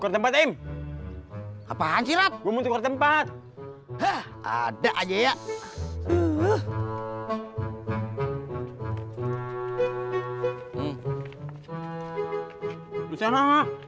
kerempat im apaan sirap menukar tempat ada aja ya